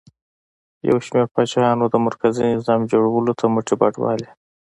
یو شمېر پاچاهانو د مرکزي نظام جوړولو ته مټې بډ وهلې